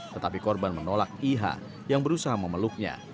tetapi korban menolak iha yang berusaha memeluknya